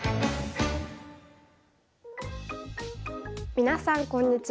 皆さんこんにちは。